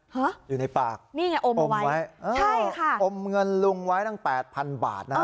ฮะอยู่ในปากนี่ไงอมอมไว้เออใช่ค่ะอมเงินลุงไว้ตั้งแปดพันบาทนะฮะ